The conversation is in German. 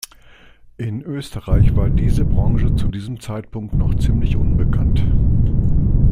In Österreich war diese Branche zu diesem Zeitpunkt noch ziemlich unbekannt.